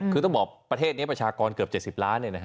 คือต้องบอกประเทศเนี้ยประชากรเกือบเจ็ดสิบล้านเนี่ยนะฮะ